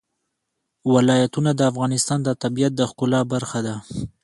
ولایتونه د افغانستان د طبیعت د ښکلا برخه ده.